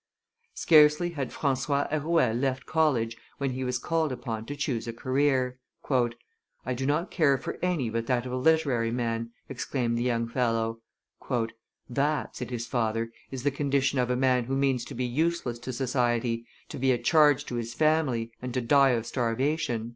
Scarcely had Francois Arouet left college when he was called upon to choose a career. "I do not care for any but that of a literary man," exclaimed the young fellow. "That," said his father, "is the condition of a man who means to be useless to society, to be a charge to his family, and to die of starvation."